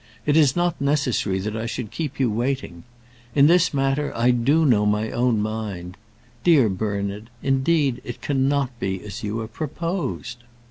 It is not necessary that I should keep you waiting. In this matter I do know my own mind. Dear Bernard, indeed, indeed it cannot be as you have proposed."